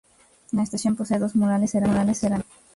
La estación posee dos murales cerámicos.